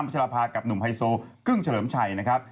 ชราภากับหนุ่มไฮโซกึ้งเฉลิมชัยนะครับ